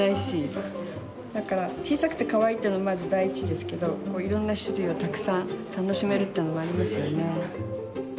だから小さくてかわいいっていうのまず第一ですけどこういろんな種類をたくさん楽しめるっていうのもありますよね。